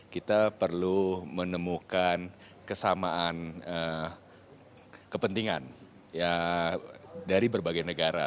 kita perlu menemukan kesamaan kepentingan dari berbagai negara